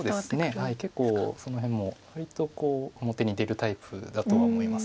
そうですね結構その辺も割と表に出るタイプだとは思います。